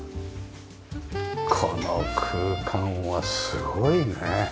この空間はすごいね。